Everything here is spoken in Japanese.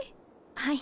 はい。